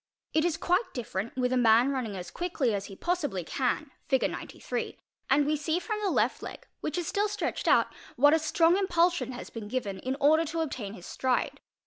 It is quite different with a man running as quickly as he possibly can, 93, and we see from the left leg, which is still stretched out, what rong impulsion has been given in order to obtain his stride.